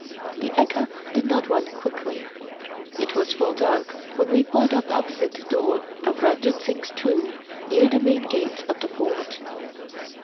The ekka did not run quickly. It was full dark when we pulled up opposite the door of Ranjit Singh's Tomb near the main gate of the Fort.